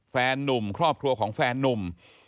นุ่มครอบครัวของแฟนนุ่ม